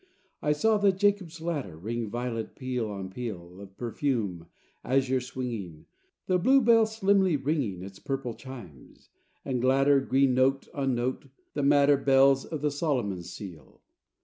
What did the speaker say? I saw the Jacob's ladder Ring violet peal on peal Of perfume, azure swinging; The bluebell slimly ringing Its purple chimes; and, gladder, Green note on note, the madder Bells of the Solomon's seal.